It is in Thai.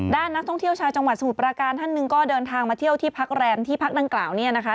ด้านนักท่องเที่ยวชาวจังหวัดสมุทรประการท่านหนึ่งก็เดินทางมาเที่ยวที่พักแรมที่พักดังกล่าวเนี่ยนะคะ